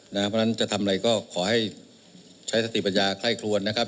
เพราะฉะนั้นจะทำอะไรก็ขอให้ใช้สติปัญญาไคร่ครวนนะครับ